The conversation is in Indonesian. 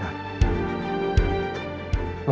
gak bisa dibikin benar